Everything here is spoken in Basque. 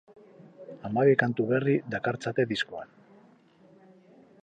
Hamabi kantu berri dakartzate diskoan.